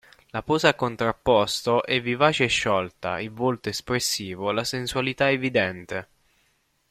La posa a contrapposto è vivace e sciolta, il volto espressivo, la sensualità evidente.